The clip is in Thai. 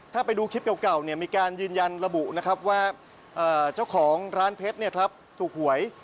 ถ้าไปดูคลิปเก่าเนี่ยมีการยืนยันระบุนะครับว่าเจ้าของร้านเพชรถูกหวย